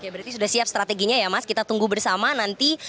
oke berarti sudah siap strateginya ya mas kita tunggu bersama nanti